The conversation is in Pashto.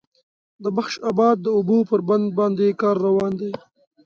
د بخش آباد د اوبو پر بند باندې کار روان دی